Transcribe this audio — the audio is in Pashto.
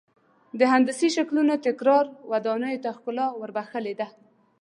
د هندسي شکلونو تکرار ودانیو ته ښکلا ور بخښلې ده.